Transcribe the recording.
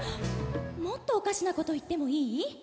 もっとおかしなこと言ってもいい？